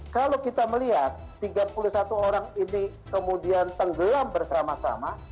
kalau kita melihat tiga puluh satu orang ini kemudian tenggelam bersama sama